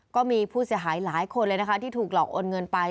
ก็มีผู้เสียหายหลายคนเลยนะคะที่ถูกหลอกโอนเงินไป